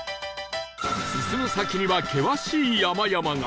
進む先には険しい山々が